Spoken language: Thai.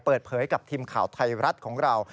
เปิดเผยกับทีมข่าวไทยรัฐของเรา